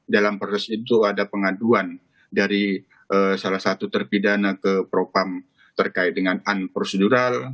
dalam proses itu ada pengaduan dari salah satu terpidana ke propam terkait dengan unprocedural